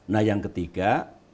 nah yang ketiga